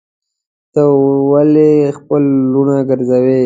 ته ولي خپل وروڼه ګرځوې.